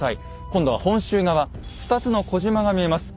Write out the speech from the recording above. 今度は本州側２つの小島が見えます。